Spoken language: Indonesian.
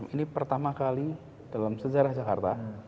ini pertama kali dalam sejarah jakarta